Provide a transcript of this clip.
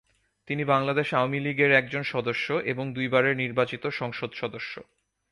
তিনি বাংলাদেশ আওয়ামী লীগের একজন সদস্য এবং দুইবারের নির্বাচিত সংসদ সদস্য।